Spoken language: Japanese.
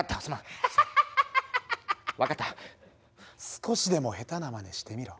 少しでも下手なまねしてみろ。